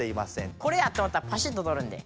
これや！と思ったらパシッととるんで。